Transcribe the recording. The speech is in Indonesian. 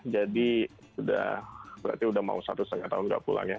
jadi berarti sudah mau satu setengah tahun tidak pulang ya